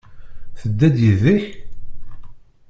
Tedda-d yid-k?